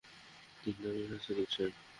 তিনি তাকে শাস্তি দিচ্ছেন।